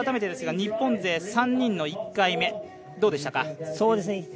日本勢３人の１回目、どうでしたか？